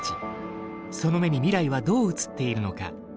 その目に未来はどう映っているのか。